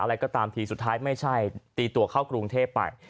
อะไรก็ตามทีสุดท้ายไม่ใช่ตีตัวเข้ากรุงเทพไป